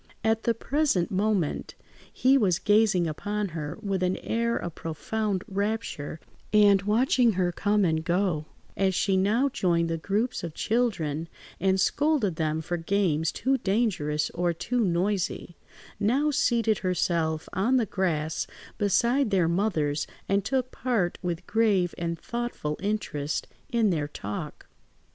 At the present moment he was gazing upon her with an air of profound rapture, and watching her come and go, as she now joined the groups of children and scolded them for games too dangerous or too noisy; now seated herself on the grass beside their mothers and took part with grave and thoughtful interest in their talk.